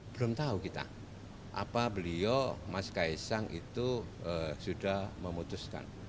belum tahu kita apa beliau mas kaisang itu sudah memutuskan